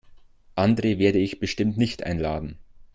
Andre werde ich bestimmt nicht einladen.